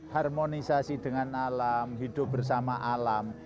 harmonisasi dengan alam hidup bersama alam